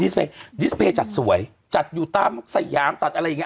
ดิสเพย์จัดสวยจัดอยู่ตามสยามจัดอะไรอย่างเง